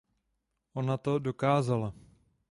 Ona to dokázala!